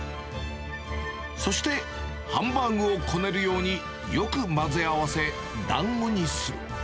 そしてハンバーグをこねるように、よく混ぜ合わせ、だんごにする。